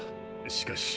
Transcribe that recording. しかし。